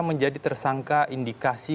menjadi tersangka indikasi